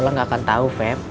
lo nggak akan tahu feb